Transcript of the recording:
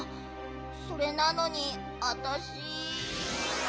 それなのにあたし。